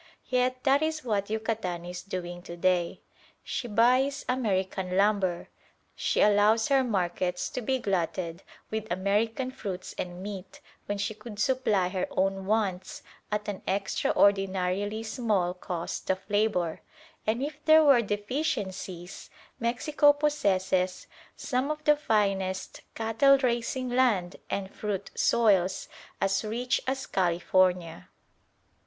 Yet that is what Yucatan is doing to day. She buys American lumber; she allows her markets to be glutted with American fruits and meat when she could supply her own wants at an extraordinarily small cost of labour; and if there were deficiencies, Mexico possesses some of the finest cattle raising land and fruit soils as rich as California.